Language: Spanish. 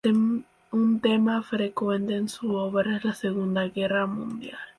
Un tema frecuente en su obra es la Segunda Guerra Mundial.